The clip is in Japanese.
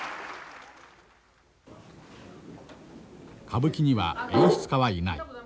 歌舞伎には演出家はいない。